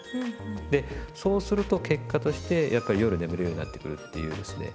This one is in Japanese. でそうすると結果としてやっぱり夜眠るようになってくるっていうですね